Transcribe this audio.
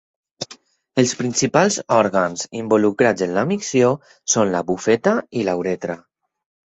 Els principals òrgans involucrats en la micció són la bufeta i la uretra.